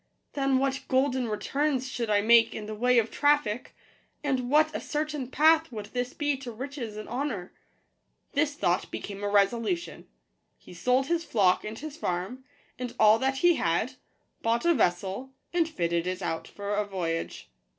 Then what golden returns should I make in the way of traffic ; and what a certain path would this be to riches and honour!" This thought became a resolution : he sold his flock and his farm, and all that he had, bought a vessel, and fitted it out for a voyage.